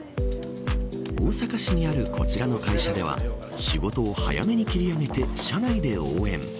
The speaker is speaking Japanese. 大阪市にあるこちらの会社では仕事を早めに切り上げて社内で応援。